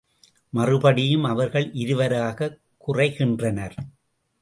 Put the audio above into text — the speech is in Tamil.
மறுபடியும் அவர்கள் இருவராகக் குறைகின்றனர்.